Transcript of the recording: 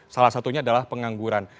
salah satunya adalah pengangguran